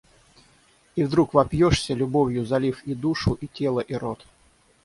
И вдруг вопьешься, любовью залив и душу, и тело, и рот.